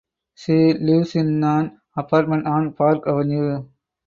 She lives in an apartment on Park Avenue.